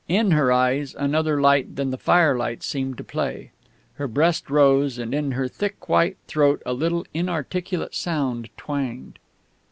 In her eyes another light than the firelight seemed to play. Her breast rose, and in her thick white throat a little inarticulate sound twanged.